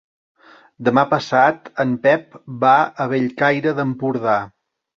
Demà passat en Pep va a Bellcaire d'Empordà.